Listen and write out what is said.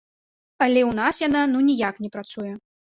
Але ў нас яна ну ніяк не працуе.